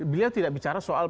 beliau tidak bicara soal